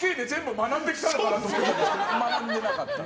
学んでなかった。